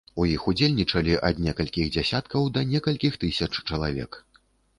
У іх удзельнічалі ад некалькіх дзясяткаў да некалькіх тысяч чалавек.